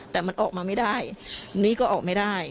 แต่มันออกมาไม่ได้นี่ก็ออกไม่ได้